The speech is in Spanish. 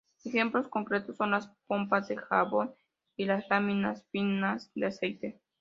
Ejemplos concretos son las pompas de jabón, y las láminas finas de aceite.